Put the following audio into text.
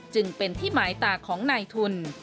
จึงเป็นที่หมายตาของนายทุน